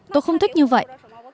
tôi không thích như vậy